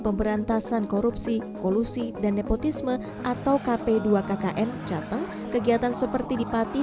pemberantasan korupsi polusi dan nepotisme atau kp dua kkn jateng kegiatan seperti di pati